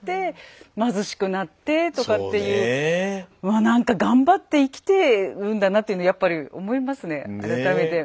わあなんか頑張って生きてるんだなっていうのやっぱり思いますね改めて。